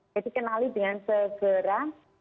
jadi kenali dengan segera